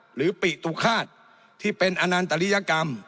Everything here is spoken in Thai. หรือปิตุฆาตที่เป็นอนันตริยกรรม